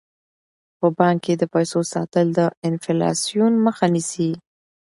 په بانک کې د پیسو ساتل د انفلاسیون مخه نیسي.